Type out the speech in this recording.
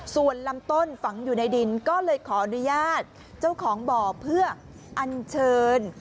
ส่วนลำต้นฝังอยู่ในดินก็เลยขออนุญาตเจ้าของบ่อเพื่ออัญเชิญ